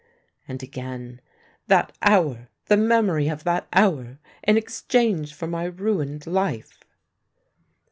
" And again :" That hour ! the memory of that hour, in exchange for my ruined life